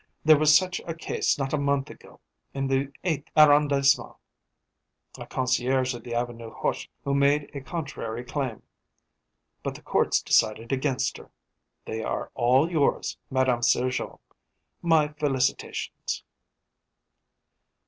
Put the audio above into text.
There was such a case not a month ago, in the eighth arrondissement a concierge of the avenue Hoche who made a contrary claim. But the courts decided against her. They are all yours, Madame Sergeot. My felicitations!"